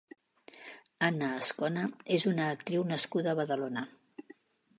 Anna Azcona és una actriu nascuda a Badalona.